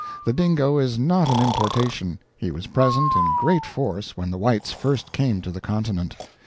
The dingo is not an importation; he was present in great force when the whites first came to the continent.